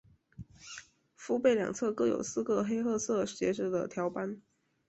腹背两侧各有四个黑褐色斜着的条斑。